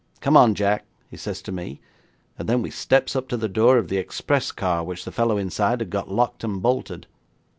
Come on, Jack!" he says to me, and then we steps up to the door of the express car, which the fellow inside had got locked and bolted.